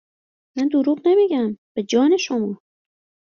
من دروغ نمیگم. به جان شما